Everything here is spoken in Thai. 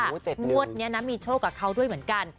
งวดนี้นะมีโชคกับเขาด้วยเหมือนกัน